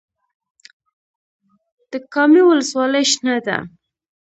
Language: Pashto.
د کامې ولسوالۍ شنه ده